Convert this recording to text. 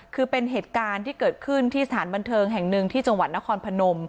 คือเป็นเหตุการณ์ที่เกิดขึ้นที่สถานบันเทิงแห่งหนึ่งที่จังหวัดนครพนม